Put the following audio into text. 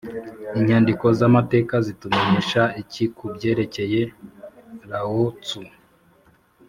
inyandiko z’amateka” zitumenyesha iki ku byerekeye lao-tzu?